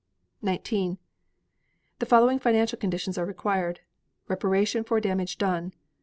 19. The following financial conditions are required: Reparation for damage done.